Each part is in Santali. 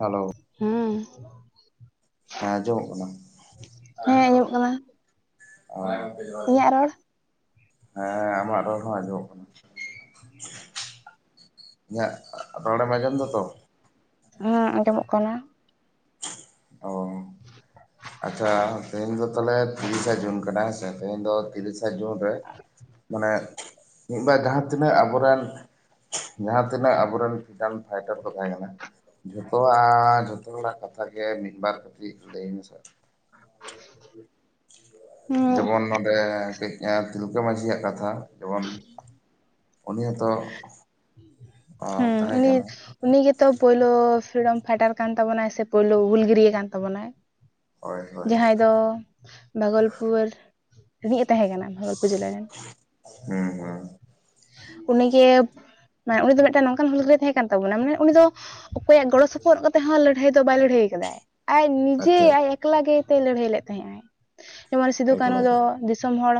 ᱦᱮᱞᱳ ᱦᱮᱸ ᱦᱮᱸ ᱟᱸᱡᱚᱢᱚᱜ ᱠᱟᱱᱟ ᱦᱮᱸ ᱦᱟᱞᱳ ᱟᱸᱡᱚᱢᱚᱜ ᱠᱟᱱᱟ ᱟᱨ ᱤᱧᱟᱹᱜ [unintelligible] ᱨᱚᱲ ᱦᱮᱸ ᱟᱢᱟᱜ ᱨᱚᱲ ᱦᱚᱸ ᱟᱸᱡᱚᱢᱚᱜ ᱠᱟᱱᱟ᱾ [inaudible] ᱤᱧᱟᱜ ᱨᱚᱲᱮᱢ ᱟᱡᱚᱢ ᱮᱫᱟ ᱛᱚ᱾ ᱦᱮᱸ ᱟᱸᱡᱚᱢᱚᱜ ᱠᱟᱱᱟ᱾ ᱚ ᱟᱪᱪᱷᱟ ᱛᱮᱦᱮᱧ ᱫᱚ ᱛᱟᱦᱚᱞᱮ ᱛᱤᱨᱤᱥᱟ ᱡᱩᱱ ᱠᱟᱱᱟ ᱦᱮᱸᱥᱮ ᱛᱮᱦᱮᱧ ᱫᱚ ᱛᱤᱞᱤᱥᱟ ᱡᱩᱱ ᱨᱮ ᱢᱟᱱᱮ ᱢᱤᱫ ᱵᱟᱨ ᱡᱟᱦᱟᱸ ᱛᱤᱱᱟᱹᱜ ᱟᱵᱚᱨᱮᱱ ᱡᱟᱦᱟᱸ ᱛᱤᱱᱟᱹᱜ ᱟᱵᱚᱨᱮᱱ ᱪᱟᱱ ᱯᱷᱟᱴᱚᱨ ᱠᱚ ᱛᱟᱦᱮᱸ ᱠᱟᱱᱟ ᱡᱷᱚᱛᱚᱣᱟᱜ ᱡᱷᱚᱛᱚ ᱦᱚᱲᱟᱜ ᱠᱟᱛᱷᱟ ᱜᱮ ᱢᱤᱫ ᱵᱟᱨ ᱠᱟᱹᱴᱤᱡ ᱞᱟᱹᱭ ᱟᱹᱧ ᱢᱮᱥᱮ᱾ [inaudible] ᱦᱩᱸ ᱡᱮᱢᱚᱱ ᱱᱚᱸᱰᱮ ᱠᱟᱹᱡ ᱮ ᱛᱤᱞᱠᱟᱹ ᱢᱟᱺᱡᱷᱤᱭᱟᱜ ᱠᱟᱛᱷᱟ ᱡᱮᱢᱚᱱ [inaudible] ᱩᱱᱤ ᱦᱚᱛᱚ ᱦᱩᱸ ᱩᱱᱤ ᱩᱱᱤ ᱜᱮᱛᱚ ᱯᱩᱭᱞᱳ ᱯᱷᱨᱤᱰᱚᱢ ᱯᱷᱟᱭᱴᱟᱨ ᱠᱟᱱ ᱛᱟᱵᱚᱱᱟᱭ ᱥᱮ ᱯᱩᱭᱞᱩ ᱦᱩᱞᱜᱟᱹᱨᱤᱭᱟᱹ ᱠᱟᱱ ᱛᱟᱵᱚᱱᱟᱭ᱾ ᱦᱳᱭ ᱦᱳᱭ ᱡᱟᱦᱟᱸᱭ ᱫᱚ ᱵᱷᱟᱜᱚᱞᱯᱩᱨ ᱨᱤᱱᱤᱡᱮ ᱛᱟᱦᱮᱸ ᱠᱟᱱᱟ ᱵᱷᱟᱜᱚᱞᱯᱩᱨ ᱡᱮᱞᱟ ᱨᱮᱱ᱾ ᱦᱮᱸ ᱦᱮᱸ ᱩᱱᱤᱜᱮ ᱢᱟᱱᱮ ᱩᱱᱤ ᱫᱚ ᱢᱤᱫᱴᱟᱱ ᱱᱚᱝᱠᱟᱱ ᱦᱩᱞᱜᱟᱹᱨᱤᱭᱟᱹ ᱛᱟᱦᱮᱸ ᱠᱟᱱ ᱛᱟᱵᱚᱱᱟ ᱢᱟᱱᱮ ᱩᱱᱤ ᱫᱚ ᱚᱠᱚᱭᱟᱜ ᱜᱚᱲᱚ ᱥᱚᱯᱚᱦᱚᱫ ᱠᱟᱛᱮ ᱦᱚᱸ ᱞᱟᱹᱲᱦᱟᱹᱭ ᱫᱚ ᱵᱟᱭ ᱞᱟᱹᱲᱦᱟᱹᱭ ᱟᱠᱟᱫᱟᱭ᱾ ᱟᱡ ᱱᱤᱡᱮ ᱟᱪᱪᱷᱟ ᱟᱡ ᱮᱠᱞᱟ ᱜᱮ ᱛᱮᱭ ᱞᱟᱹᱲᱦᱟᱹᱭ ᱞᱮᱫ ᱛᱟᱦᱮᱸᱜ ᱟᱭ᱾ ᱡᱮᱢᱚᱱ ᱥᱤᱫᱩ ᱠᱟᱹᱱᱩ ᱫᱚ ᱮᱠᱞᱟᱛᱮ ᱫᱤᱥᱚᱢ ᱦᱚᱲ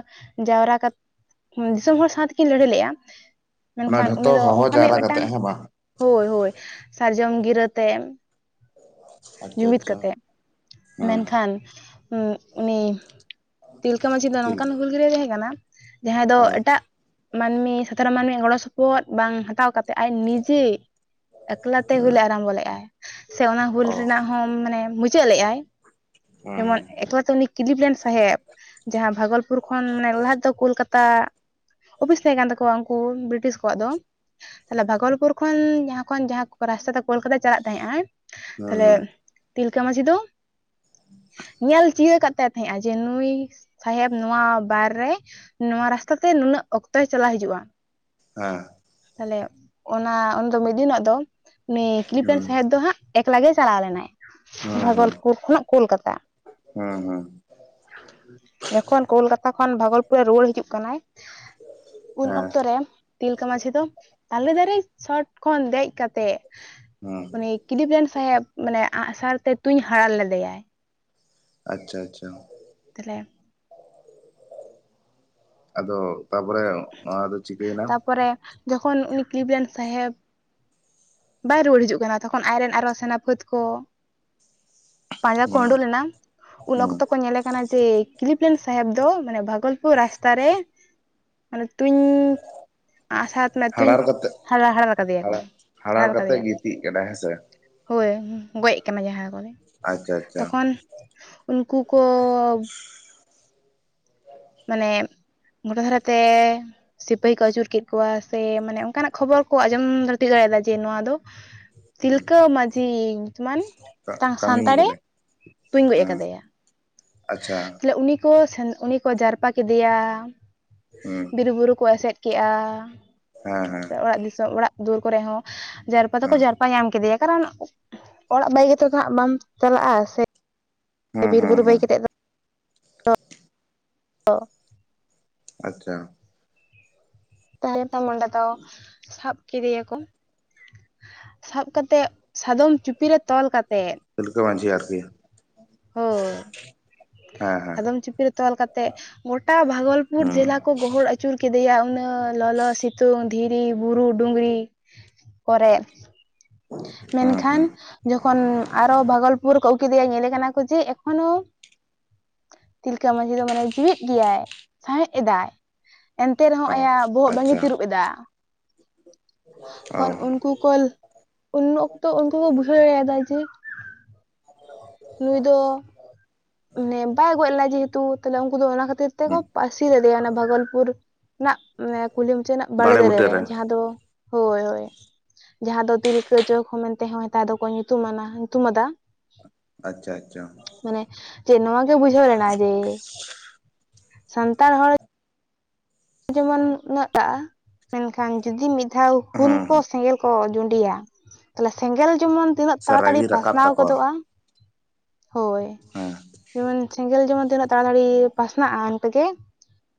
ᱡᱟᱣᱨᱟ ᱠᱟᱛ ᱫᱤᱥᱚᱢ ᱦᱚᱲ ᱥᱟᱶ ᱛᱮᱠᱤᱱ ᱞᱟᱹᱲᱦᱟᱹᱭ ᱞᱮᱫᱼᱟ᱾ ᱚᱱᱟ ᱢᱮᱱᱠᱷᱟᱱ ᱩᱱᱤ ᱡᱷᱚᱛᱚ ᱫᱚ ᱦᱚᱦᱚ ᱚᱱᱠᱟᱱᱤᱡ ᱡᱟᱣᱨᱟ ᱠᱟᱛᱮᱜ ᱢᱤᱫᱴᱟᱝ ᱦᱮᱸ ᱵᱟᱝ ᱦᱳᱭ ᱦᱳᱭ ᱥᱟᱨᱡᱚᱢ ᱜᱤᱨᱟᱹᱛᱮ ᱟᱪᱪᱷᱟ ᱼ ᱡᱩᱢᱤᱫ ᱟᱪᱪᱷᱟ ᱠᱟᱛᱮᱜ ᱦᱩᱸ ᱢᱮᱱᱠᱷᱟᱱ ᱩᱸ ᱩᱱᱤ ᱛᱤᱞᱠᱟᱹ ᱢᱟᱟᱹᱡᱷᱤ ᱫᱚ ᱛᱤᱞ ᱱᱚᱝᱠᱟᱱ ᱦᱩᱞ ᱜᱤᱨᱟᱹ ᱛᱟᱦᱮᱸ ᱠᱟᱱᱟ ᱡᱟᱦᱟᱸᱭ ᱫᱚ ᱦᱮᱸ ᱮᱴᱟᱜ ᱢᱟᱹᱱᱢᱤ ᱪᱷᱟᱛᱟᱨ ᱢᱟᱹᱱᱢᱤ ᱜᱚᱲᱚ ᱥᱚᱯᱚᱦᱚᱫ ᱵᱟᱝ ᱦᱟᱛᱟᱣ ᱠᱟᱛᱮᱫ ᱟᱡ ᱱᱤᱡᱮ ᱮᱠᱞᱟᱛᱮ ᱦᱩᱞᱮ ᱟᱨᱟᱢᱵᱚ ᱞᱮᱫᱼᱟᱭ ᱥᱮ ᱚᱱᱟ ᱦᱩᱞ ᱚ ᱨᱮᱱᱟᱜ ᱦᱚᱸ ᱢᱟᱱᱮ ᱢᱩᱪᱟᱹᱫ ᱞᱮᱫᱼᱟᱭ ᱦᱩᱸ ᱡᱮᱢᱚᱱ ᱮᱠᱞᱟᱛᱮ ᱩᱱᱤ ᱠᱤᱞᱤᱯᱼᱞᱮᱱ ᱥᱟᱦᱮᱵᱽ ᱡᱟᱦᱟᱸ ᱵᱟᱜᱚᱞᱯᱩᱨ ᱠᱷᱚᱱ ᱢᱟᱱᱮ ᱞᱟᱦᱟ ᱛᱮᱫᱚ ᱠᱳᱞᱠᱟᱛᱟ ᱚᱯᱷᱤᱥ ᱛᱟᱦᱮᱸ ᱠᱟᱱ ᱛᱟᱠᱚᱣᱟ ᱩᱱᱠᱩ ᱵᱨᱤᱴᱤᱥ ᱠᱚᱣᱟᱜ ᱫᱚ ᱛᱟᱦᱞᱮ ᱵᱷᱟᱜᱚᱞᱯᱩᱨ ᱠᱷᱚᱱ ᱡᱟᱦᱟᱸ ᱠᱷᱚᱱ ᱡᱟᱦᱟᱸ ᱨᱟᱥᱛᱟ ᱫᱚ ᱠᱳᱞᱠᱟᱛᱟ ᱪᱟᱞᱟᱜ ᱛᱟᱦᱮᱸᱜᱼᱟᱸᱭ ᱦᱩᱸ ᱛᱟᱦᱞᱮ ᱦᱩᱸ ᱛᱤᱞᱠᱟᱹ ᱢᱟᱹᱡᱷᱤ ᱫᱚ ᱧᱮᱞ ᱪᱤᱭᱟᱹ ᱠᱟᱫ ᱛᱟᱭ ᱛᱟᱦᱮᱸᱜᱱᱟ ᱡᱮ ᱱᱩᱭ ᱥᱟᱦᱮᱵᱽ ᱱᱚᱣᱟ ᱵᱟᱨ ᱨᱮ ᱱᱚᱣᱟ ᱨᱟᱥᱛᱟ ᱛᱮ ᱱᱩᱱᱟᱹᱜ ᱚᱠᱛᱚᱭ ᱪᱟᱞᱟᱣ ᱦᱤᱡᱩᱜᱼᱟ ᱦᱮᱸ ᱛᱟᱦᱞᱮ ᱚᱱᱟ ᱩᱱᱫᱚ ᱢᱤᱫ ᱫᱤᱱᱚᱜ ᱫᱚ ᱩᱱᱤ ᱠᱤᱞᱤᱯᱼᱞᱮᱱ ᱦᱩᱸ ᱥᱟᱦᱮᱵᱽ ᱫᱚ ᱦᱟᱸᱜ ᱮᱠᱞᱟ ᱜᱮᱭ ᱪᱟᱞᱟᱣ ᱞᱮᱱᱟᱭ ᱵᱷᱟᱹᱜᱚᱞᱯᱩᱨ ᱠᱷᱚᱱᱟᱜ ᱠᱳᱞᱠᱟᱛᱟ᱾ ᱦᱮᱸ ᱦᱮᱸ ᱡᱚᱠᱷᱚᱱ ᱠᱳᱞᱠᱟᱛᱟ ᱠᱷᱚᱱ ᱵᱷᱟᱜᱚᱞᱯᱩᱨ ᱨᱮ ᱨᱩᱣᱟᱹᱲ ᱦᱤᱡᱩᱜ ᱠᱟᱱᱟᱭ, ᱩᱱ ᱦᱮᱸ ᱚᱠᱛᱚ ᱨᱮ ᱛᱤᱞᱠᱟᱹ ᱢᱟᱺᱡᱷᱤ ᱫᱚ ᱛᱟᱞᱮ ᱫᱟᱨᱮ ᱪᱚᱴ ᱠᱷᱚᱱ ᱫᱮᱡ ᱠᱟᱛᱮᱫ ᱦᱩᱸ ᱩᱱᱤ ᱠᱤᱞᱤᱯᱼᱞᱮᱱ ᱥᱟᱦᱮᱵᱽ ᱢᱟᱱᱮ ᱟᱸᱜᱼᱥᱟᱨ ᱛᱮ ᱛᱩᱧ ᱦᱟᱨᱟᱲ ᱞᱮᱫᱮᱭᱟᱭ᱾ ᱟᱪᱪᱷᱟ ᱟᱪᱪᱷᱟ ᱛᱟᱦᱞᱮ ᱟᱫᱚ ᱛᱟᱯᱚᱨᱮ ᱟᱫᱚ ᱪᱤᱠᱟᱹᱭᱮᱱᱟ? ᱛᱟᱯᱚᱨᱮ ᱡᱚᱠᱷᱚᱱ ᱩᱱᱤ ᱠᱤᱞᱤᱯᱼᱞᱮᱱ ᱥᱟᱦᱮᱵᱽ ᱵᱟᱭ ᱨᱩᱣᱟᱹᱲ ᱦᱤᱡᱩᱜ ᱠᱟᱱᱟ ᱛᱚᱠᱷᱚᱱ ᱟᱡᱨᱮᱱ ᱟᱨᱚ ᱥᱮᱱᱟ ᱯᱷᱟᱹᱛ ᱠᱚ ᱯᱟᱸᱡᱟ ᱠᱚ ᱦᱩᱸ ᱩᱰᱩ ᱞᱮᱱᱟ ᱩᱱ ᱦᱩᱸ ᱚᱠᱛᱚ ᱠᱚ ᱧᱮᱞᱮ ᱠᱟᱱᱟ ᱡᱮ ᱠᱤᱞᱤᱯᱼᱞᱮᱱ ᱥᱟᱦᱮᱵᱽ ᱫᱚ ᱢᱟᱱᱮ ᱵᱟᱜᱚᱞᱯᱩᱨ ᱨᱟᱥᱛᱟ ᱨᱮ ᱢᱟᱱᱮ ᱛᱩᱧ ᱟᱸᱜ, ᱥᱟᱨ ᱛᱮ ᱢᱟᱱᱮ ᱛᱩᱧ ᱦᱟᱨᱟ ᱦᱟᱨᱟᱲ ᱠᱟᱫᱮᱭᱟ ᱠᱚ᱾ ᱦᱟᱨᱟᱲ ᱠᱟᱛᱮ ᱜᱤᱛᱤᱡ ᱠᱮᱫᱟᱭ ᱦᱮᱸᱥᱮ? ᱦᱳᱭ ᱜᱚᱡ ᱟᱠᱟᱱᱟ ᱡᱟᱦᱟᱸ ᱠᱚᱨᱮ ᱟᱪᱪᱷᱟ ᱟᱪᱪᱷᱟ ᱛᱚᱠᱷᱚᱱ ᱩᱱᱠᱩ ᱠᱚ [inaudible] ᱢᱟᱱᱮ ᱜᱚᱴᱟ ᱫᱷᱟᱨᱮ ᱛᱮ ᱥᱤᱯᱟᱹᱦᱤ ᱠᱚ ᱟᱹᱪᱩᱨ ᱠᱮᱫ ᱠᱚᱣᱟ ᱥᱮ ᱢᱟᱱᱮ ᱚᱱᱠᱟᱱᱟᱜ ᱠᱷᱚᱵᱚᱨ ᱠᱚ ᱟᱸᱡᱚᱢ ᱫᱷᱟᱹᱨᱛᱤ ᱫᱟᱲᱮᱭᱟᱜ ᱢᱟ ᱡᱮ ᱱᱚᱣᱟ ᱫᱚ ᱛᱤᱞᱠᱟᱹ ᱢᱟᱺᱡᱷᱤ ᱧᱩᱛᱩᱢᱟᱱ ᱢᱤᱫᱴᱟᱝ ᱠᱟᱹᱢᱤᱭ ᱥᱟᱱᱛᱟᱲᱮ ᱠᱟᱫᱟᱭ ᱛᱩᱧ ᱜᱚᱡ ᱦᱮᱸ ᱠᱟᱫᱮᱭᱟ᱾ ᱟᱪᱪᱷᱟ᱾ ᱩᱱᱤ ᱠᱚ ᱥᱮᱱ ᱩᱱᱤ ᱠᱚ ᱡᱟᱨᱯᱟ ᱠᱮᱫᱮᱭᱟ ᱦᱩᱸ ᱵᱤᱨ ᱵᱩᱨᱩ ᱠᱚ ᱮᱥᱮᱱ ᱠᱮᱜᱼᱟ᱾ ᱦᱮᱸ ᱦᱮᱸ᱾ ᱚᱲᱟᱜ ᱫᱤᱥᱚᱢ ᱚᱲᱟᱜ ᱫᱩᱟᱹᱨ ᱠᱚᱨᱮ ᱦᱚᱸ ᱡᱟᱨᱯᱟ ᱫᱚ ᱠᱚ ᱦᱮᱸ ᱡᱟᱨᱯᱟ ᱯᱟ ᱧᱟᱢ ᱠᱮᱫᱮᱭᱟ ᱠᱟᱨᱚᱱ ᱚᱲᱟᱜ ᱵᱟᱜᱤ ᱫᱚ ᱱᱟᱜ ᱵᱟᱢ ᱪᱟᱞᱟᱜᱼᱟ, ᱥᱮ ᱦᱩᱸ ᱵᱤᱨ ᱦᱩᱸ ᱵᱩᱨᱩ ᱵᱟᱜᱤ ᱦᱩᱸ ᱠᱟᱛᱮᱫ ᱫᱚ ᱚ᱾ ᱟᱪᱪᱷᱟ᱾ ᱛᱟᱦᱚᱞᱮ ᱫᱚ ᱚᱸᱰᱮ ᱠᱚ ᱥᱟᱵ ᱠᱮᱫᱮᱭᱟ ᱠᱚ᱾ ᱥᱟᱵ ᱠᱟᱛᱮᱜ ᱥᱟᱫᱚᱢ ᱪᱩᱯᱤ ᱨᱮ ᱛᱚᱞ ᱠᱟᱛᱮᱜ᱾ ᱛᱤᱞᱠᱟᱹ ᱢᱟᱺᱡᱷᱤ ᱟᱨᱠᱤ ᱦᱳᱭ ᱦᱮᱸ ᱦᱮᱸ ᱥᱟᱫᱚᱢ ᱪᱤᱯᱤ ᱨᱮ ᱛᱚᱞ ᱠᱟᱛᱮ ᱛᱮᱜ ᱜᱚᱴᱟ ᱵᱷᱟᱜᱞᱯᱩᱨ ᱦᱩᱸ ᱡᱮᱞᱟ ᱠᱚ ᱜᱚᱦᱚᱲ ᱟᱹᱪᱩᱨ ᱠᱮᱫᱮᱭᱟ ᱩᱱᱟᱹᱜ ᱞᱚᱞᱚ ᱥᱤᱛᱩᱝ᱾ ᱫᱷᱤᱨᱤ ᱵᱩᱨᱩ ᱰᱩᱝᱨᱤ ᱠᱚᱨᱮᱱ, ᱦᱩᱸ ᱢᱮᱱᱠᱷᱟᱱ ᱦᱩᱸ ᱡᱚᱠᱷᱚᱱ ᱟᱨᱚ ᱵᱟᱜᱚᱞᱯᱩᱨ ᱨᱮ ᱠᱚ ᱟᱹᱜᱩ ᱠᱮᱫᱮᱭᱟ ᱧᱮᱞᱮ ᱠᱟᱱᱟ ᱠᱚ ᱡᱮ ᱮᱠᱷᱚᱱᱳ ᱛᱤᱞᱠᱟ ᱢᱟᱺᱡᱷᱤ ᱫᱚ ᱢᱟᱱᱮ ᱡᱤᱣᱤᱫ ᱜᱮᱭᱟᱭ ᱥᱟᱦᱮᱫ ᱮᱫᱟᱭ᱾ ᱮᱱᱛᱮ ᱨᱮᱦᱚᱸ ᱚ ᱟᱭᱟᱜ ᱵᱚᱦᱚᱜ ᱵᱟᱝ ᱮ ᱟᱪᱪᱷᱟ ᱛᱤᱨᱩᱵ ᱮᱫᱟ᱾ ᱚ ᱠᱚᱱ ᱩᱱᱠᱩ ᱠᱚ ᱩᱱ ᱚᱠᱛᱚ ᱵᱩᱡᱷᱟᱹᱣ ᱧᱟᱢᱟ ᱡᱮ ᱱᱩᱭ ᱫᱚ ᱢᱟᱱᱮ ᱵᱟᱭ ᱜᱚᱡ ᱞᱮᱱᱟ ᱡᱮᱦᱮᱛᱩ ᱛᱟᱞᱦᱮ ᱩᱱᱠᱩ ᱫᱚ ᱚᱱᱟ ᱠᱷᱟᱹᱛᱤᱨ ᱛᱮᱠᱚ ᱦᱩᱸ ᱯᱟᱥᱤ ᱞᱮᱫᱮᱭᱟ ᱚᱱᱟ ᱵᱷᱟᱜᱚᱞᱯᱩᱨ ᱨᱮᱱᱟᱜ ᱠᱩᱞᱦᱤ ᱢᱩᱪᱟᱹᱫ ᱨᱮᱱᱟᱜ ᱵᱟᱲᱮ ᱫᱟᱨᱮ ᱨᱮ, ᱡᱟᱦᱟᱸ ᱫᱚ ᱦᱳᱭ ᱦᱳᱭ, ᱡᱟᱦᱟᱸ ᱫᱚ ᱛᱤᱞᱠᱟᱹ ᱪᱚᱠ ᱦᱚᱸ ᱢᱮᱱᱛᱮ ᱦᱚᱸ ᱱᱮᱛᱟᱨ ᱫᱚᱠᱚ ᱧᱩᱛᱩᱢᱟᱱᱟ ᱧᱩᱛᱩᱢ ᱟᱫᱟ᱾ ᱟᱪᱪᱷᱟ ᱟᱪᱪᱷᱟ᱾ ᱢᱟᱱᱮ ᱡᱮ ᱱᱚᱣᱟ ᱜᱮ ᱵᱩᱡᱷᱟᱹᱣ ᱞᱮᱱᱟ ᱡᱮ ᱥᱟᱱᱛᱟᱲ ᱦᱚᱲ ᱡᱮᱢᱚᱱ [unintelligible] ᱢᱮᱱᱠᱷᱟᱱ ᱡᱩᱫᱤ ᱢᱤᱫ ᱫᱷᱟᱣ ᱦᱩᱞ ᱦᱩᱸ ᱠᱚ ᱦᱩᱸ ᱥᱮᱸᱜᱮᱞ ᱠᱚ ᱡᱩᱸᱰᱤᱭᱟ ᱛᱟᱦᱚᱞᱮ ᱥᱮᱸᱜᱮᱞ ᱡᱮᱢᱚᱱ ᱛᱤᱱᱟᱹᱜ ᱛᱟᱲᱟᱛᱟᱲᱤ ᱥᱟᱨᱟᱜᱤ ᱨᱟᱠᱟᱵ ᱯᱟᱥᱱᱟᱣ ᱛᱟᱠᱚᱣᱟ ᱜᱚᱫᱚᱜᱼᱟ᱾ ᱦᱳᱭ, ᱦᱮᱸ ᱡᱮᱢᱚᱱ ᱥᱮᱸᱜᱮᱞ ᱡᱮᱢᱚᱱ ᱛᱤᱱᱟᱹᱜ ᱛᱟᱲᱟᱛᱟᱲᱤ ᱯᱟᱥᱱᱟᱜ-ᱟ ᱤᱱᱠᱟᱹᱜᱮ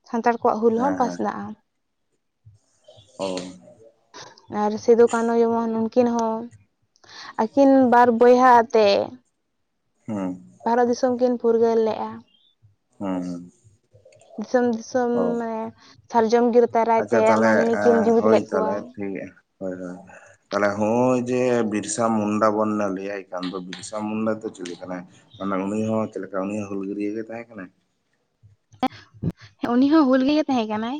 ᱥᱟᱱᱛᱟᱲ ᱠᱚᱣᱟᱜ ᱦᱩᱞ ᱦᱚᱸ ᱦᱮᱸ ᱯᱟᱥᱱᱟᱜ-ᱟ᱾ ᱚᱻ ᱟᱨ ᱥᱤᱫᱩ ᱠᱟᱱᱩ ᱡᱮᱢᱚᱱ ᱩᱱᱩᱠᱤᱱ ᱦᱚᱸ ᱟᱹᱠᱤᱱ ᱵᱟᱨ ᱵᱚᱭᱦᱟ ᱟᱛᱮ ᱦᱩᱸ᱾ ᱵᱷᱟᱨᱚᱛ ᱫᱤᱥᱚᱢ ᱠᱤᱱ ᱯᱷᱩᱨᱜᱟᱹᱞ ᱞᱮᱜ-ᱟ᱾ ᱦᱩᱸ ᱦᱩᱸ᱾ ᱫᱤᱥᱚᱢ ᱫᱤᱥᱚᱢ ᱚ ᱢᱟᱱᱮ ᱥᱟᱨᱡᱚᱢ ᱜᱤᱨᱟᱹ ᱫᱟᱨᱟᱭ ᱟᱪᱪᱷᱟ ᱛᱮ ᱛᱟᱦᱚᱞᱮ ᱢᱟᱱᱢᱤ ᱠᱤᱱ ᱡᱩᱫᱤᱫ ᱦᱳᱭ ᱞᱮᱫ ᱠᱚᱣᱟ᱾ ᱛᱟᱦᱚᱞᱮ ᱴᱷᱤᱠ ᱜᱮᱭᱟ ᱦᱳᱭ ᱦᱳᱭ᱾ ᱛᱟᱦᱚᱞᱮ ᱦᱚᱜᱼᱭ ᱡᱮ ᱵᱤᱨᱥᱟ ᱢᱩᱱᱰᱟ ᱵᱚᱱ ᱞᱟᱹᱭᱟᱭ ᱠᱟᱱ ᱫᱚ ᱵᱤᱨᱥᱟ ᱢᱩᱱᱰᱟ ᱫᱚ ᱪᱮᱞᱮ ᱠᱟᱱᱟᱭ? ᱢᱟᱱᱮ ᱩᱱᱤ ᱦᱚᱸ ᱪᱮᱫ ᱞᱮᱠᱟ ᱩᱱᱤ ᱦᱚᱸ ᱦᱩᱞᱜᱟᱹᱨᱭᱟᱹ ᱜᱮ ᱛᱟᱦᱮᱸ ᱠᱟᱱᱟᱭ? ᱩᱱᱤ ᱦᱚᱸ ᱦᱩᱞ ᱜᱮ ᱛᱟᱦᱮᱸ ᱠᱟᱱᱟᱭ।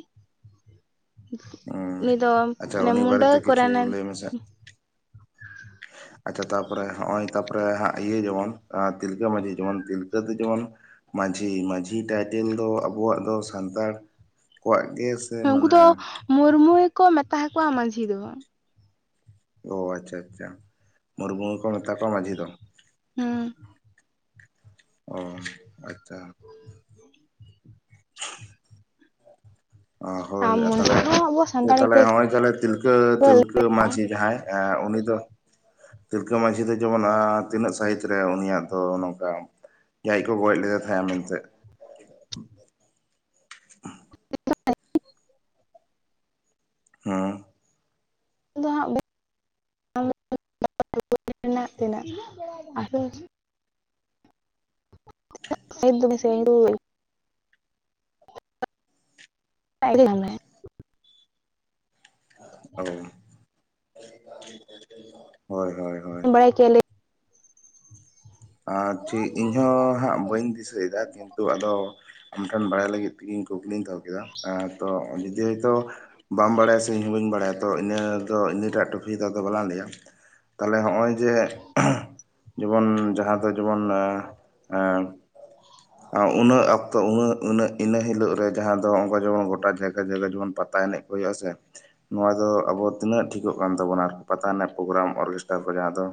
ᱩᱱᱤ ᱫᱚ ᱟᱪᱪᱷᱟ ᱢᱟᱱᱮ ᱩᱱᱤ ᱢᱩᱰᱟᱹ ᱵᱟᱨᱮᱛᱮ ᱠᱤᱪᱷᱩ ᱠᱚᱨᱮᱱᱮ ᱞᱟᱹᱭ ᱢᱮᱥᱮ ᱟᱪᱪᱷᱟ, ᱛᱟᱯᱚᱨᱮ ᱦᱚᱜᱼᱚᱭ ᱛᱟᱯᱚᱨᱮ ᱤᱭᱟᱹ ᱡᱮᱢᱚᱱ ᱛᱤᱞᱠᱟᱹ ᱢᱟᱺᱡᱷᱤ ᱡᱮᱢᱚᱱ ᱛᱤᱞᱠᱟᱹᱛᱮ ᱡᱮᱢᱚᱱ ᱢᱟᱡᱷᱤ ᱢᱟᱡᱷᱤ ᱴᱟᱭᱴᱮᱞ ᱫᱚ ᱟᱵᱚᱣᱟᱜ ᱫᱚ ᱥᱟᱱᱛᱟᱲ ᱠᱚᱣᱟᱜ ᱜᱮ ᱥᱮ ᱩᱱᱠᱩ ᱢᱟᱱᱮ ᱫᱚ ᱢᱩᱨᱢᱩ ᱜᱮᱠᱚ ᱢᱮᱛᱟᱠᱚᱣᱟ ᱢᱟᱹᱡᱷᱤ ᱫᱚ᱾ ᱚ ᱟᱪᱪᱷᱟ ᱟᱪᱪᱷᱟ ᱢᱩᱨᱩᱢ ᱜᱮ ᱠᱚ ᱢᱮᱛᱟ ᱠᱚᱣᱟ ᱢᱟᱺᱡᱷᱤ ᱫᱚ᱾ ᱦᱩᱸ ᱚ ᱟᱪᱪᱷᱟ ᱦᱳᱭ ᱟᱨ ᱟ ᱛᱟᱦᱚᱞᱮ ᱢᱚᱱᱫᱤᱨ ᱫᱚ ᱟᱵᱚ ᱦᱴᱮ ᱥᱟᱱᱛᱟᱲ ᱛᱟᱦᱞᱮ ᱜᱮ ᱱᱚᱜᱼᱚᱭ ᱛᱟᱦᱮ ᱛᱤᱞ ᱛᱤᱞᱠᱟᱹ ᱛᱤᱞᱠᱟᱹ ᱢᱟᱹᱡᱷᱤ ᱡᱟᱦᱟᱸᱭ ᱮᱸ ᱩᱱᱤ ᱫᱚ ᱛᱤᱞᱠᱟᱹ ᱢᱟᱹᱡᱷᱤ ᱫᱚ ᱡᱮᱢᱚᱱ ᱮᱸ ᱛᱤᱱᱟᱹᱜ ᱥᱟᱹᱦᱤᱛ ᱨᱮ ᱩᱱᱤᱭᱟᱜ ᱫᱚ ᱱᱚᱝᱠᱟ ᱟᱭᱡᱮ ᱠᱚ ᱜᱚᱡ ᱞᱮᱫᱮᱭᱟ ᱛᱟᱦᱮᱸ ᱟ ᱢᱮᱱᱛᱮ᱾ ᱦᱮᱸ ᱫᱚ ᱦᱟᱸᱜ [unintelligible] ᱨᱮᱱᱟᱜ ᱛᱤᱱᱟᱹᱜ ᱟ [unintelligible] [unintelligible] [unintelligible] ᱚ ᱦᱳᱭ ᱦᱳᱭ ᱦᱳᱭ ᱪᱮᱞᱮᱠ ᱟᱨ ᱴᱷᱤᱠ ᱤᱧᱦᱚ ᱦᱟᱸᱜ ᱵᱟᱹᱧ ᱫᱤᱥᱟᱹᱭᱮᱫᱟ ᱠᱤᱱᱛᱩ ᱟᱫᱚ ᱟᱢᱴᱷᱮᱱ ᱵᱟᱲᱟᱭ ᱞᱟᱹᱜᱤᱫ ᱛᱮᱧ ᱠᱩᱠᱞᱤᱧ ᱫᱚᱦᱚ ᱠᱮᱫᱟ ᱡᱩᱫᱤ ᱦᱚᱭᱛᱳ ᱵᱟᱢ ᱵᱟᱲᱟᱭᱟ ᱥᱮ ᱤᱧ ᱦᱚᱸ ᱵᱟᱹᱧ ᱵᱟᱲᱟᱭᱟ ᱛᱚ ᱤᱱᱟᱹ ᱫᱚ ᱤᱱᱟᱹᱴᱟᱜ ᱴᱚᱯᱷᱤ ᱫᱚ ᱫᱚ ᱵᱟᱞᱟᱝ ᱞᱟᱹᱭᱟ ᱛᱟᱦᱞᱮ ᱱᱚᱜᱼᱚᱭ ᱡᱮ ᱡᱮᱢᱚᱱ ᱡᱟᱦᱟᱸ ᱫᱚ ᱡᱮᱢᱚᱱ ᱮᱸ ᱟᱸ ᱩᱱᱟᱹᱜ ᱚᱠᱛᱚ ᱩᱱᱟᱹᱜ ᱩᱱᱟᱹᱜ ᱤᱱᱟᱹ ᱦᱤᱞᱳᱜ ᱨᱮ ᱡᱟᱦᱟᱸ ᱫᱚ ᱚᱱᱠᱟ ᱡᱮᱢᱚᱱ ᱜᱚᱴᱟ ᱡᱟᱭᱜᱟ ᱡᱟᱭᱜᱟ ᱡᱮᱢᱚᱱ ᱯᱟᱛᱟ ᱮᱱᱮᱡ ᱦᱩᱭᱩᱜ ᱟ ᱥᱮ ᱱᱚᱣᱟ ᱫᱚ ᱟᱵᱚ ᱛᱤᱱᱟᱹᱜ ᱴᱷᱤᱠᱚᱜ ᱠᱟᱱ ᱛᱟᱵᱚᱱᱟ ᱟᱨᱠᱤ ᱯᱟᱛᱟ ᱨᱮᱱᱟᱜ ᱯᱨᱳᱜᱨᱟᱢ ᱚᱨᱠᱮᱥᱴᱟᱨ ᱠᱚ ᱡᱟᱦᱟᱸ ᱫᱚ?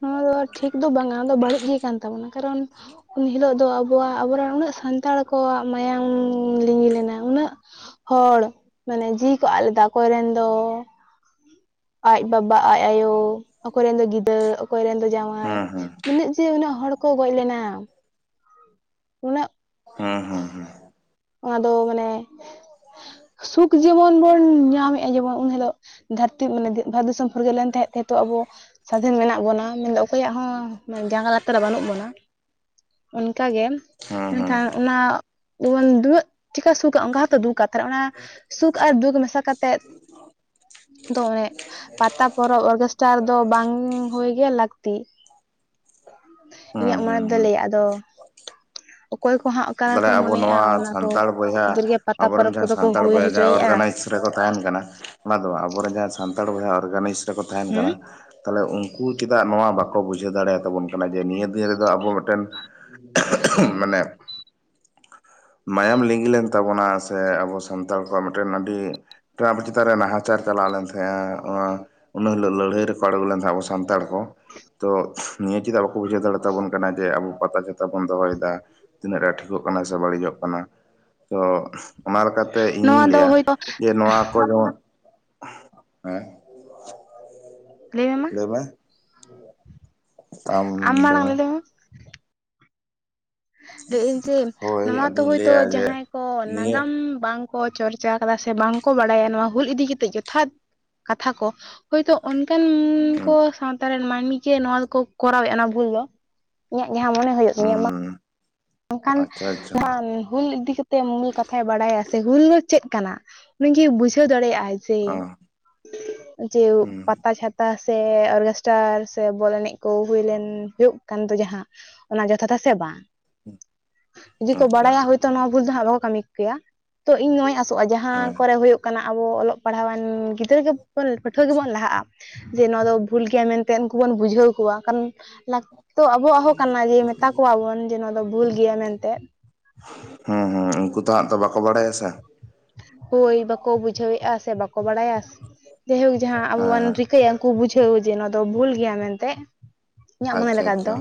ᱱᱚᱣᱟ ᱫᱚ ᱴᱷᱤᱠ ᱫᱚ ᱵᱟᱝᱟ ᱟᱫᱚ ᱵᱟᱹᱲᱤᱡ ᱜᱮ ᱠᱟᱱ ᱛᱟᱵᱚᱱᱟ ᱠᱟᱨᱚᱱ ᱩᱱ ᱦᱤᱞᱳᱜ ᱫᱚ ᱟᱵᱚᱣᱟᱜ ᱟᱵᱚᱨᱮᱱ ᱩᱱᱟᱹᱜ ᱥᱟᱱᱛᱟᱲ ᱠᱚᱣᱟᱜ ᱢᱟᱭᱟᱢ ᱞᱤᱸᱜᱤ ᱞᱮᱱᱟ ᱩᱱᱟᱹᱜ ᱦᱚᱲ ᱢᱟᱱᱮ ᱡᱤᱣᱤ ᱠᱚ ᱟᱫ ᱞᱮᱫᱟ ᱚᱠᱚᱭ ᱨᱮᱱ ᱫᱚ ᱟᱡ ᱵᱟᱵᱟ ᱟᱡ ᱟᱭᱳ ᱚᱠᱚᱭ ᱨᱮᱱ ᱫᱚ ᱜᱤᱫᱟᱹᱨ ᱚᱠᱚᱭ ᱨᱮᱱ ᱫᱚ ᱡᱟᱶᱟᱭ ᱦᱩᱸ ᱦᱩᱸ ᱩᱱᱟᱹᱜ ᱡᱮ ᱩᱱᱟᱹᱜ ᱦᱚᱲ ᱠᱚ ᱜᱚᱡ ᱞᱮᱱᱟ᱾ ᱩᱱᱟᱹᱜ ᱦᱮᱸ ᱦᱩᱸ ᱦᱩᱸ ᱚᱱᱟ ᱫᱚ ᱢᱟᱱᱮ ᱥᱩᱠ ᱡᱮᱢᱚᱱ ᱵᱚᱱ ᱧᱟᱢᱮᱫᱼᱟ ᱡᱮᱢᱚᱱ ᱩᱱ ᱦᱤᱞᱳᱜ ᱫᱷᱟᱹᱨᱛᱤ ᱢᱟᱱᱮ ᱵᱷᱟᱨᱚᱛ ᱫᱤᱥᱚᱢ ᱯᱷᱩᱨᱜᱟᱹ ᱞᱮᱱ ᱛᱟᱦᱮᱸᱜ ᱱᱤᱛᱚᱜ ᱟᱵᱚ ᱥᱟᱫᱷᱮᱱ ᱢᱮᱱᱟᱜ ᱵᱚᱱᱟ ᱢᱮᱱᱫᱚ ᱚᱠᱚᱭᱟᱜ ᱦᱚᱸ ᱡᱟᱸᱜᱟ ᱞᱟᱛᱟᱨ ᱵᱟᱹᱱᱩᱜ ᱵᱚᱱᱟ᱾ ᱚᱱᱠᱟᱜᱮ ᱦᱩᱸ ᱦᱩᱸ ᱢᱮᱱᱠᱷᱟᱱ ᱚᱱᱟ ᱚᱣᱚᱱ ᱫᱩᱟᱹᱜ ᱪᱤᱠᱟ ᱥᱩᱠ ᱚᱱᱠᱟ ᱦᱚᱸᱛᱚ ᱫᱩᱠᱟᱛᱷᱟ ᱨᱮ ᱚᱱᱟ ᱥᱩᱠ ᱟᱨ ᱫᱩᱠ ᱢᱮᱥᱟ ᱠᱟᱛᱮᱮᱫ ᱫᱚᱝ ᱮᱱᱮᱜ ᱯᱟᱛᱟ ᱯᱚᱨᱚᱵᱽ ᱚᱨᱠᱮᱥᱴᱟᱨ ᱫᱚ ᱵᱟᱝ ᱦᱩᱭ ᱜᱮ ᱞᱟᱹᱠᱛᱤ ᱤᱧᱟᱹᱜ ᱦᱩᱸ ᱢᱚᱱᱮ ᱦᱩᱸ ᱛᱮᱫᱚ ᱦᱩᱸ ᱞᱟᱹᱭᱟ ᱟᱫᱚ ᱚᱠᱚᱭ ᱠᱚᱦᱟᱸᱜ ᱚᱠᱟ ᱛᱟᱦᱚᱞᱮ ᱠᱚ ᱟᱵᱚ ᱢᱚᱱᱮᱼᱟ ᱱᱚᱣᱟ ᱚᱱᱟ ᱫᱚ ᱥᱟᱱᱛᱟᱲ ᱵᱚᱭᱦᱟ ᱠᱷᱚᱫᱮᱨ ᱜᱮ ᱯᱟᱛᱟ ᱯᱚᱨᱚᱵᱽ ᱠᱚᱫᱚ ᱠᱚ ᱦᱩᱭ ᱦᱚᱪᱚᱭᱮᱼᱟ᱾ ᱟᱥ ᱨᱮᱠᱚ ᱛᱟᱦᱮᱱ ᱠᱟᱱᱟ ᱚᱱᱟ ᱫᱚ ᱟᱵᱚᱨᱮᱱ ᱡᱟᱦᱟᱸ ᱥᱟᱱᱛᱟᱲ ᱵᱚᱭᱦᱟ ᱚᱨᱜᱟᱱᱟᱭᱤᱡᱽ ᱨᱮᱠᱚ ᱛᱟᱦᱮᱱ ᱦᱮᱸ ᱠᱟᱱᱟ᱾ ᱛᱟᱦᱚᱞᱮ ᱩᱱᱠᱩ ᱪᱮᱫᱟᱜ ᱱᱚᱣᱟ ᱵᱟᱠᱚ ᱵᱩᱡᱷᱟᱹᱣ ᱫᱟᱲᱮᱭᱟᱛᱟᱵᱚᱱ ᱠᱟᱱᱟ ᱡᱮ ᱱᱤᱭᱟᱹ ᱫᱤᱱ ᱨᱮᱫᱚ ᱟᱵᱚ ᱢᱤᱫᱴᱮᱱ ᱢᱟᱱᱮ ᱢᱟᱭᱟᱢ ᱞᱤᱸᱜᱤ ᱞᱮᱱ ᱛᱟᱵᱚᱱᱟ ᱥᱮ ᱟᱵᱚ ᱥᱟᱱᱛᱟᱲ ᱠᱚᱣᱟᱜ ᱢᱤᱫᱴᱮᱱ ᱟᱹᱰᱤ ᱢᱤᱫᱴᱟᱝ ᱟᱵᱚ ᱪᱮᱛᱟᱱ ᱨᱮ ᱱᱟᱦᱟᱪᱟᱨ ᱪᱟᱣᱞᱮᱱ ᱛᱟᱦᱮᱸᱫᱼᱟ ᱚᱶᱟ ᱩᱱᱟ ᱦᱤᱞᱳᱜ ᱞᱟᱹᱲᱦᱟᱹᱭ ᱨᱮᱠᱚ ᱟᱬᱜᱚ ᱞᱮᱱ ᱛᱟᱦᱮᱜ ᱟᱵᱚ ᱥᱟᱱᱛᱟᱲ ᱠᱚ᱾ ᱛᱚ ᱱᱤᱭᱟᱹ ᱪᱮᱫᱟᱜ ᱵᱟᱠᱚ ᱵᱩᱡᱷᱟᱹᱣ ᱫᱟᱲᱮ ᱛᱟᱵᱚᱱ ᱠᱟᱱᱟ ᱡᱮ ᱟᱵᱚ ᱯᱟᱛᱟ ᱪᱷᱟᱛᱟ ᱵᱚᱱ ᱫᱚᱦᱚᱭᱮᱫᱟ᱾ ᱛᱤᱱᱟᱹᱜ ᱴᱟ ᱴᱷᱚᱜ ᱠᱟᱱᱟ ᱥᱮ ᱵᱟᱹᱲᱤᱡᱚᱜ ᱠᱟᱱᱟ ᱛᱚ ᱚᱱᱟ ᱞᱮᱠᱟᱛᱮ ᱱᱚᱣᱟ ᱤᱧᱤᱧ ᱫᱚ ᱞᱟᱹᱭᱟ ᱦᱳᱭᱛᱳ ᱡᱮ ᱱᱚᱣᱟ ᱠᱚ ᱦᱮᱸ? ᱞᱟᱹᱭ ᱢᱮ ᱢᱟ᱾ ᱛᱚᱵᱮ ᱟᱢ ᱞᱟᱹᱣ ᱢᱟᱲᱟᱝ ᱞᱟᱹᱭ ᱢᱮ ᱞᱮᱢ ᱞᱟᱹᱭᱟᱹᱧ ᱡᱮ ᱦᱳᱭ ᱱᱚᱣᱟ ᱛᱚ ᱟᱫᱚᱧ ᱦᱳᱭᱛᱳ ᱞᱟᱹᱭᱟ ᱡᱮ ᱡᱟᱦᱟᱸᱭ ᱠᱚ ᱱᱤᱭᱟᱹ ᱱᱟᱜᱟᱢ ᱵᱟᱝ ᱠᱚ ᱪᱚᱨᱪᱟ ᱠᱟᱫᱟ ᱥᱮ ᱵᱟᱝ ᱠᱚ ᱵᱟᱲᱟᱭᱟ ᱱᱚᱣᱟ ᱦᱩᱞ ᱤᱫᱤ ᱠᱮᱛᱮᱫ ᱡᱚᱛᱷᱟᱛ ᱠᱟᱛᱷᱟ ᱠᱚ ᱦᱳᱭᱛᱳ ᱚᱱᱠᱟᱱ ᱦᱩᱸ ᱩᱱᱠᱚ ᱥᱟᱶᱛᱟ ᱨᱮᱱ ᱢᱟᱹᱱᱢᱤ ᱜᱮ ᱱᱚᱣᱟ ᱫᱚᱠᱚ ᱠᱚᱨᱟᱣᱮᱜᱼᱟ ᱚᱱᱟ ᱵᱷᱩᱞ ᱫᱚ ᱤᱧᱟᱜ ᱡᱟᱦᱟᱸ ᱢᱚᱱᱮ ᱦᱳᱭᱳᱜ ᱧᱟᱢᱟ ᱦᱩᱸ ᱟᱝᱠᱷᱟᱱ ᱟᱪᱪᱷᱟ ᱟᱪᱪᱷᱟ ᱱᱚᱣᱟ ᱦᱩᱞ ᱤᱫᱤ ᱠᱟᱛᱮ ᱛᱮ ᱢᱩᱞ ᱠᱟᱛᱷᱟᱭ ᱵᱟᱲᱟᱭᱟ ᱥᱮ ᱦᱩᱞ ᱫᱚ ᱪᱮᱫ ᱠᱟᱱᱟ ᱩᱱᱤᱜᱤ ᱵᱩᱡᱷᱟᱹᱣ ᱫᱟᱲᱮᱭᱟᱜ-ᱟᱭ᱾ ᱚ ᱥᱮ ᱡᱮ ᱦᱩᱸ ᱯᱟᱛᱟ ᱪᱷᱟ ᱴᱟ ᱥᱮ ᱚᱨᱜᱮᱥᱴᱟᱨ ᱥᱮ ᱵᱚᱞ ᱮᱱᱮᱡ ᱠᱚ ᱦᱩᱭ ᱞᱮᱱ ᱦᱩᱭᱩᱜ ᱠᱟᱱ ᱫᱚ ᱡᱟᱦᱟᱸ ᱚᱱᱟ ᱡᱚᱛᱷᱟᱛᱟ ᱥᱮ ᱵᱟᱝ? ᱦᱩᱸ᱾ ᱡᱩᱫᱤ ᱠᱚ ᱵᱟᱲᱟᱭᱟ ᱦᱳᱭᱛᱳ ᱱᱚᱣᱟ ᱵᱷᱩᱞ ᱫᱚ ᱦᱟᱸᱜ ᱵᱟᱠᱚ ᱠᱟᱹᱢᱤ ᱠᱮᱭᱟ, ᱛᱚ ᱤᱧ ᱱᱚᱣᱟᱧ ᱟᱥᱚᱜᱼᱟ ᱡᱟᱦᱟᱸ ᱦᱮᱸ ᱠᱚᱨᱮ ᱦᱩᱭᱩᱜ ᱠᱟᱱᱟ ᱟᱵᱚ ᱚᱞᱚᱜ ᱯᱟᱲᱦᱟᱣᱟᱱ ᱜᱤᱫᱽᱨᱟᱹ ᱜᱮᱵᱚᱱ ᱯᱟᱹᱴᱷᱩᱣᱟᱹ ᱜᱮᱵᱚᱱ ᱞᱟᱦᱟᱜᱼᱟ᱾ ᱡᱮ ᱱᱚᱣᱟ ᱫᱚ ᱵᱷᱩᱞ ᱜᱮᱭᱟ ᱢᱮᱱᱛᱮ ᱩᱱᱠᱩ ᱵᱚᱱ ᱵᱩᱡᱷᱟᱹᱣ ᱠᱚᱣᱟ ᱠᱟᱨᱚᱱ ᱞᱟᱠᱛᱤ ᱫᱚ ᱟᱵᱚᱣᱟᱜ ᱦᱚᱸ ᱠᱟᱱᱟ ᱡᱮ ᱢᱮᱛᱟ ᱠᱚᱣᱟᱵᱚᱱ ᱡᱮ ᱱᱚᱣᱟ ᱫᱚ ᱵᱷᱩᱞ ᱜᱮᱭᱟ ᱢᱮᱱᱛᱮᱱ᱾ ᱦᱩᱸ ᱦᱩᱸ ᱩᱱᱠᱩ ᱛᱚ ᱦᱟᱸᱜ ᱛᱚ ᱵᱟᱠᱚ ᱵᱟᱲᱟᱭᱟ ᱥᱮ᱾ ᱦᱳᱭ ᱵᱟᱠᱚ ᱵᱩᱡᱷᱟᱹᱣᱮᱜᱼᱟ ᱥᱮ ᱵᱟᱠᱚ ᱵᱟᱲᱟᱭᱟ ᱡᱟᱭᱦᱳᱠ ᱡᱟᱦᱟᱸ ᱦᱮᱸ ᱟᱵᱚᱣᱟᱱ ᱦᱮᱸ ᱨᱤᱠ ᱛᱮ ᱩᱱᱠᱩ ᱵᱩᱡᱷᱟᱹᱣ ᱡᱮ ᱱᱚᱣᱟ ᱫᱚ ᱵᱷᱩᱞ ᱜᱮᱭᱟ ᱢᱮᱱᱛᱮᱜ᱾ ᱤᱧᱟᱜ ᱢᱚᱱᱮ ᱟᱪᱪᱷᱟ ᱞᱮᱠᱟ ᱛᱮᱫᱚ ᱟᱪᱪᱷᱟ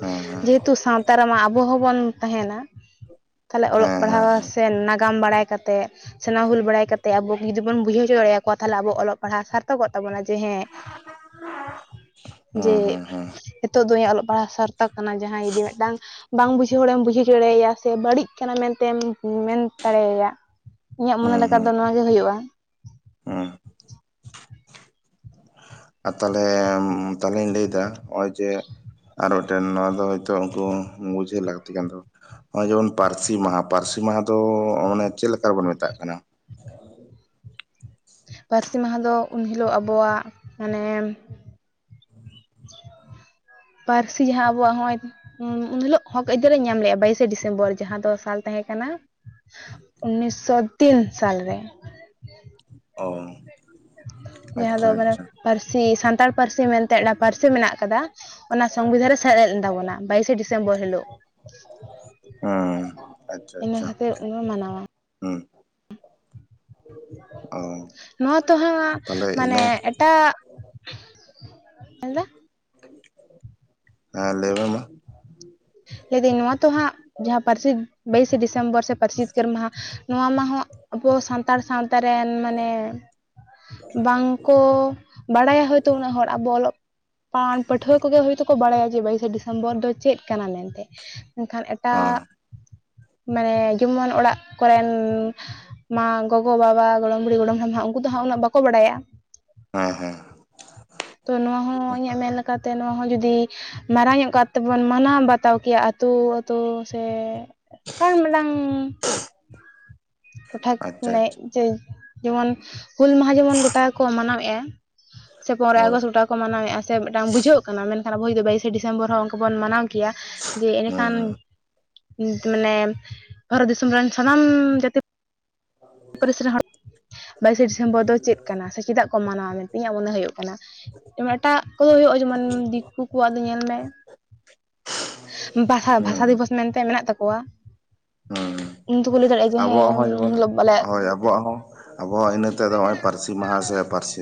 ᱦᱮᱸ ᱦᱮᱸ ᱡᱮᱦᱮᱛᱩ ᱥᱟᱱ ᱛᱟ ᱨᱮᱢᱟ ᱟᱵᱚ ᱦᱚᱸᱵᱚᱱ ᱛᱟᱦᱮᱱᱟ, ᱛᱟᱦᱚᱞᱮ ᱚᱞᱚᱜ ᱦᱮᱸ ᱦᱮᱸ ᱯᱟᱲᱦᱟᱣ ᱥᱮ ᱱᱟᱜᱟᱢ ᱵᱟᱲᱟᱭ ᱠᱟᱛᱮᱱ ᱥᱮ ᱱᱟᱭᱟ ᱦᱩᱞ ᱵᱟᱲᱟᱭ ᱠᱟᱛᱮ ᱟᱵᱚ ᱡᱩᱫᱤ ᱵᱚᱱ ᱵᱩᱡᱷᱟᱹᱣ ᱦᱚᱪᱚ ᱫᱟᱲᱮᱭᱟᱠᱚᱣᱟ ᱛᱟᱞᱦᱮ ᱟᱵᱚ ᱚᱞᱚᱜ ᱯᱟᱲᱦᱟᱜ ᱥᱟᱨ ᱛᱚᱜᱚᱜ ᱛᱟᱵᱚᱱᱟ ᱡᱮ ᱦᱮᱸ ᱡᱮ ᱦᱮᱸ ᱦᱮᱸ ᱦᱮᱸ ᱱᱤᱛᱚᱜ ᱫᱚ ᱤᱧᱟᱜ ᱚᱞᱚᱜ ᱯᱟᱲᱦᱟᱜ ᱥᱟᱨᱛᱚᱠ ᱠᱟᱱᱟ ᱡᱟᱦᱟᱸᱭ ᱡᱩᱫᱤ ᱢᱤᱫᱴᱟᱝ ᱵᱟᱝ ᱵᱩᱡᱷᱟᱹᱣ ᱦᱚᱲᱮᱢ ᱵᱩᱡᱷᱟᱹᱣ ᱦᱚᱪᱚ ᱫᱟᱲᱮᱣᱟᱭᱟ ᱥᱮ ᱵᱟᱹᱲᱤᱡ ᱠᱟᱱᱟ ᱢᱮᱱᱛᱮᱢ ᱢᱮᱱ ᱫᱟᱲᱮᱭᱟᱭᱟ᱾ ᱤᱧᱟᱹᱜ ᱢᱚᱱᱮ ᱦᱩᱸ ᱞᱮᱠᱟ ᱦᱩᱸ ᱛᱮᱫᱚ ᱫᱚ ᱱᱚᱣᱟ ᱜᱮ ᱦᱩᱭᱩᱜᱼᱟ᱾ ᱦᱩᱸ ᱟᱨ ᱛᱟᱞᱦᱮ ᱛᱟᱞᱦᱮᱧ ᱞᱟᱹᱭᱫᱟ ᱱᱚᱜ-ᱚᱭ ᱡᱮ ᱟᱨ ᱢᱤᱫᱴᱮᱱ ᱱᱚᱣᱟ ᱫᱚ ᱦᱚᱭᱛᱳ ᱩᱱᱠᱩ ᱵᱩᱡᱷᱟᱹᱣ ᱞᱟᱹᱠᱛᱤ ᱠᱟᱱ ᱛᱟᱠᱚᱣᱟ ᱾ ᱦᱚᱜᱼᱚᱭ ᱡᱮᱢᱚᱱ ᱯᱟᱨᱥᱤ ᱢᱟᱦᱟ ᱯᱟᱨᱥᱤ ᱢᱟᱦᱟ ᱫᱚ ᱢᱟᱱᱮ ᱪᱮᱫ ᱞᱮᱠᱟ ᱨᱮᱵᱚᱱ ᱢᱮᱛᱟᱜ ᱠᱟᱱᱟ? ᱯᱟᱨᱥᱤ ᱢᱟᱦᱟ ᱫᱚ ᱩᱱ ᱦᱤᱞᱳᱜ ᱟᱵᱚᱣᱟᱜ ᱢᱟᱱᱮ ᱯᱟᱨᱥᱤ ᱡᱟᱦᱟᱸ ᱟᱵᱚᱣᱟᱜ ᱦᱚᱸᱜᱼᱚᱭ ᱩᱱ ᱦᱤᱞᱳᱜ ᱦᱚᱠ ᱟ. ᱭᱫᱟᱹᱨᱮ ᱧᱟᱢ ᱞᱮᱜᱼᱟ ᱵᱟᱭᱤᱥᱮ ᱰᱤᱥᱮᱢᱵᱚᱨ ᱡᱟᱦᱟᱸ ᱫᱚ ᱥᱟᱞ ᱛᱟᱦᱮᱸ ᱠᱟᱱᱟ ᱩᱱᱤᱥᱥᱚ ᱛᱤᱱ ᱥᱟᱞᱨᱮ। ᱚᱻ ᱡᱟᱦᱟᱸ ᱫᱚ ᱢᱟᱱᱮ ᱯᱟᱨᱥᱤ ᱥᱟᱱᱛᱟᱲ ᱯᱟᱨᱥᱤ ᱢᱮᱱᱛᱮ ᱚᱱᱟ ᱯᱟᱨᱥᱤ ᱢᱮᱱᱟᱜ ᱠᱟᱫᱟ। ᱚᱱᱟ ᱥᱚᱝᱵᱤᱫᱷᱟᱱ ᱨᱮ ᱥᱮᱞᱮᱫ ᱞᱮᱱ ᱛᱟᱵᱚᱱᱟ, ᱵᱟᱭᱤᱥᱮ ᱰᱤᱥᱮᱢᱵᱚᱨ ᱦᱤᱞᱳᱜ᱾ ᱦᱚᱸ, ᱟᱪᱪᱷᱟ ᱤᱱᱟᱹ ᱟᱪᱪᱷᱟ ᱠᱷᱟᱹᱛᱤᱨ ᱚᱱᱟ ᱢᱟᱱᱟᱣᱟ ᱦᱩᱸ। ᱚ ᱱᱚᱣᱟ ᱛᱚ ᱦᱟᱸ ᱛᱟᱦᱚᱞᱮ ᱢᱟᱱᱮ ᱤᱱᱟᱹ ᱮᱴᱟᱜ ᱦᱮᱸ ᱞᱮ ᱢᱮ ᱢᱟ। ᱞᱟᱹᱭ ᱫᱟᱹᱧ ᱱᱚᱣᱟ ᱛᱚ ᱦᱟᱸᱜ ᱡᱟᱦᱟᱸ ᱯᱟᱨᱥᱤ ᱵᱟᱭᱤᱥᱮ ᱰᱤᱥᱮᱢᱵᱚᱨ ᱥᱮ ᱯᱟᱨᱥᱤ ᱡᱤᱛᱠᱟᱹᱨ ᱢᱟᱦᱟ᱾ ᱱᱚᱣᱟ ᱢᱟᱦ ᱟᱵᱚ ᱥᱟᱱᱛᱟᱲ ᱥᱟᱶᱛᱟ ᱨᱮᱱ ᱢᱟᱱᱮ ᱵᱟᱝᱠᱚ ᱵᱟᱲᱟᱭᱟ ᱦᱳᱭᱛᱳ ᱩᱱᱟᱹᱜ ᱦᱚᱲ ᱟᱵᱚ ᱚᱞᱚᱜ ᱯᱟᱹᱱ ᱯᱟᱹᱴᱷᱩᱣᱟᱹ ᱠᱚᱜᱮ ᱦᱳᱭᱛᱳ ᱠᱚ ᱵᱟᱲᱟᱭᱟ ᱡᱮ ᱵᱟᱭᱤᱥᱮ ᱰᱤᱥᱮᱢᱵᱚᱨ ᱫᱚ ᱪᱮᱫ ᱠᱟᱱᱟ ᱢᱮᱱᱛᱮ ᱢᱮᱱᱠᱷᱟᱱᱼᱼ ᱦᱮᱸ ᱮᱴᱟᱹᱜ ᱢᱟᱱᱮ ᱡᱮᱢᱚᱱ ᱚᱲᱟᱜ ᱠᱚᱨᱮᱱ ᱢᱟ ᱜᱚᱜᱚᱼᱵᱟᱵᱟ ᱜᱚᱲᱚᱢ ᱵᱩᱲᱤ ᱜᱚᱲᱚᱢ ᱦᱟᱲᱟᱢ ᱦᱟᱜ ᱩᱱᱠᱩ ᱫᱚ ᱦᱟᱸ ᱩᱱᱟᱹᱜ ᱵᱟᱠᱚ ᱵᱟᱲᱟᱭᱟ᱾ ᱦᱮᱸ ᱦᱮᱸ ᱛᱚ ᱱᱚᱣᱟ ᱦᱚᱸ ᱤᱧᱟᱹᱜ ᱢᱮᱱ ᱞᱮᱠᱟᱛᱮ ᱱᱚᱣᱟ ᱦᱚᱸ ᱡᱩᱫᱤ ᱢᱟᱨᱟᱝ ᱧᱚᱜ ᱠᱟᱨ ᱛᱮᱵᱚᱱ ᱢᱟᱱᱟᱣ ᱵᱟᱛᱟᱣ ᱠᱮᱭᱟ ᱟᱹᱛᱩ ᱟᱹᱛᱳ ᱥᱮ ᱠᱟᱨ ᱢᱟᱰᱟᱝ ᱴᱚᱴᱷᱟᱠ ᱟᱪᱪᱷᱟ ᱢᱟᱱᱮ ᱟᱪᱪᱷᱟ ᱡᱮ ᱡᱮᱢᱚᱱ ᱦᱩᱞ ᱢᱟᱦᱟᱸ ᱡᱮᱢᱚᱱ ᱜᱚᱴᱟ ᱠᱚ ᱢᱟᱱᱟᱣᱮᱜᱼᱟ᱾ ᱥᱮ ᱯᱚᱨᱚᱭ ᱦᱳᱭ ᱟᱜᱚᱥᱴ ᱜᱟᱴᱟᱠ ᱠᱚ ᱢᱟᱱᱟᱣᱮᱫᱼᱟ ᱥᱮ ᱢᱤᱫᱴᱟᱝ ᱵᱩᱡᱷᱟᱹᱜ ᱠᱟᱱᱟ ᱢᱮᱱᱠᱷᱟᱱ ᱟᱵᱚ ᱡᱚᱫᱤ ᱵᱟᱭᱤᱥᱮ ᱰᱮᱢᱵᱚᱨ ᱦᱚᱸ ᱚᱱᱠᱟ ᱵᱚᱱ ᱢᱟᱱᱟᱣ ᱠᱮᱭᱟ ᱡᱮ ᱦᱩᱸ ᱮᱸᱰᱮᱠᱷᱟᱱ ᱢᱟᱱᱮ ᱵᱷᱟᱨᱚᱛ ᱫᱤᱥᱚᱢ ᱨᱮᱱ ᱥᱟᱱᱟᱢ ᱡᱟᱹᱛᱤ ᱯᱟᱹᱨᱤᱥ ᱨᱮᱱ ᱦᱚᱲ ᱵᱟᱭᱤᱥᱮ ᱰᱤᱥᱮᱢᱵᱚᱨ ᱫᱚ ᱪᱮᱫ ᱠᱟᱱᱟ ᱥᱮ ᱪᱮᱫᱟᱜ ᱠᱚ ᱢᱟᱱᱟᱣᱟ ᱢᱮᱱᱛᱮ ᱤᱧᱟᱹᱜ ᱢᱚᱱᱮ ᱦᱩᱭᱩᱜ ᱠᱟᱱᱟ᱾ ᱡᱮᱢᱚ ᱮᱴᱟᱜ ᱠᱚᱫᱚ ᱦᱩᱭᱩᱜᱼᱟ ᱡᱮᱢᱚᱱ ᱫᱤᱠᱩ ᱠᱚᱣᱟᱜ ᱫᱚ ᱧᱮᱞ ᱢᱮ᱾ ᱦᱩᱸ ᱵᱷᱟᱥᱟ ᱦᱩᱸ ᱵᱷᱟᱥᱟ ᱫᱤᱵᱚᱥ ᱢᱮᱱᱛᱮ ᱢᱮᱱᱟᱜ ᱛᱟᱠᱚᱣᱟ᱾ ᱦᱩᱸ ᱩᱱ ᱫᱚᱠᱚ ᱞᱟᱹᱭ ᱫᱟᱲᱮᱭᱟᱜᱼᱟ ᱡᱮ ᱟᱵᱚᱣᱟᱜ ᱦᱮᱸ ᱦᱚᱸ ᱡᱮᱢᱚᱱ [unintelligible] ᱼᱼ ᱦᱳᱭ ᱟᱵᱚᱣᱟᱜ ᱦᱚᱸ ᱟᱵᱚᱣᱟᱜ ᱤᱱᱟᱹ ᱛᱮᱫᱚ ᱱᱚᱜᱼᱚᱭ ᱯᱟᱹᱨᱥᱤ ᱢᱟᱦᱟ ᱥᱮ ᱯᱟᱹᱨᱥᱤᱼᱼ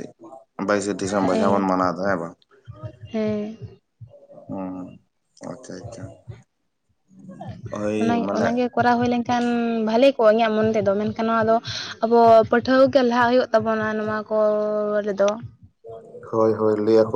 ᱵᱟᱭᱤᱥᱮ ᱰᱤᱥᱢᱵᱚᱨ ᱡᱟᱦᱟ ᱵᱚᱱ ᱢᱟᱱᱟ ᱫᱚ ᱦᱮ ᱵᱟᱝ᱾ ᱦᱮᱸᱻ ᱦᱩᱸ ᱟᱪᱪᱷᱟ ᱟᱪᱪᱷᱟ ᱦᱚᱭ ᱚᱱᱟ ᱢᱟᱱᱮᱜᱼᱼ ᱚᱱᱟᱜᱮ ᱠᱚᱨᱟᱣ ᱦᱩᱭ ᱞᱮᱱᱠᱷᱟᱱ ᱵᱷᱟᱞᱮ ᱠᱚᱜᱼᱟ ᱤᱧᱟᱹᱜ ᱢᱚᱱ ᱛᱮᱫᱚ ᱢᱮᱱᱠᱷᱟᱱ ᱱᱚᱣᱟ ᱫᱚ ᱟᱵᱚ ᱯᱟᱹᱴᱷᱩᱣ ᱜᱮ ᱞᱟᱦᱟ ᱦᱩᱭᱩᱜ ᱼᱼ ᱛᱟᱵᱚᱱᱟ ᱱᱚᱣᱟ ᱠᱚ ᱨᱮᱫᱚ᱾ ᱦᱳᱭ ᱦᱳᱭ ᱞᱟᱹᱭ ᱟᱠᱚᱼᱼ